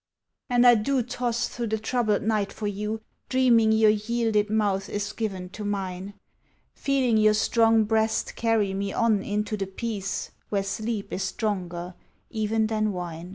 And I do toss through the troubled night for you, Dreaming your yielded mouth is given to mine, Feeling your strong breast carry me on into The peace where sleep is stronger even than wine.